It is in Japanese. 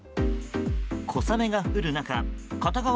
小雨が降る中片側